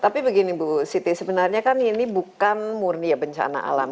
tapi begini bu siti sebenarnya kan ini bukan murni ya bencana alam